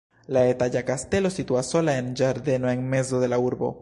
La etaĝa kastelo situas sola en ĝardeno en mezo de la urbo.